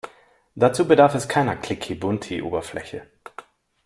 Dazu bedarf es keiner klickibunti Oberfläche.